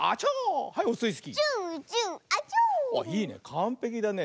かんぺきだね。